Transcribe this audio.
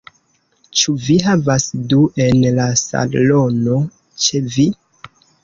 Ĉu vi havas du en la salono ĉe vi?